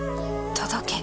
届け。